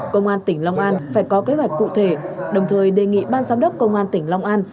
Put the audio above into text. công an tỉnh long an phải có kế hoạch cụ thể đồng thời đề nghị ban giám đốc công an tỉnh long an